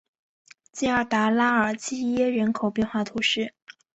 迪尔达拉尔基耶人口变化图示